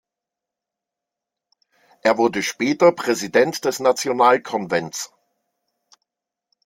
Er wurde später Präsident des Nationalkonvents.